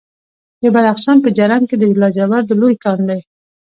د بدخشان په جرم کې د لاجوردو لوی کان دی.